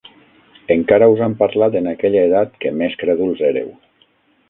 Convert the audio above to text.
Encara us han parlat en aquella edat que més crèduls éreu.